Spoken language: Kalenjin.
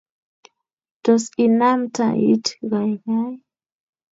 Tos, inaam tait gaigai?